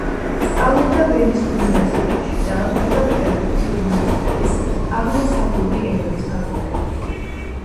სწავლობდა ვენის უნივერსიტეტში, დაამთავრა პეტერბურგის უნივერსიტეტის აღმოსავლური ენების ფაკულტეტი.